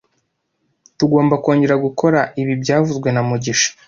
Tugomba kongera gukora ibi byavuzwe na mugisha